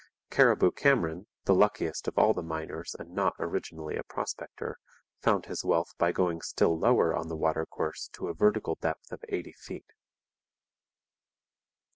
Cariboo Cameron, the luckiest of all the miners and not originally a prospector, found his wealth by going still lower on the watercourse to a vertical depth of eighty feet.